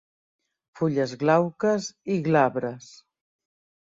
Fulles glauques i glabres.